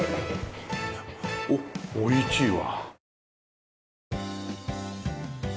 おっおいちいわ。